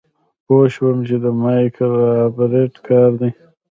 پوه شوم چې د مايک رابرټ کار دی.